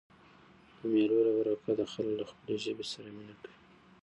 د مېلو له برکته خلک له خپلي ژبي سره مینه کوي.